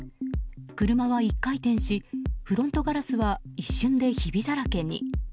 車は１回転し、フロントガラスは一瞬でひびだらけに。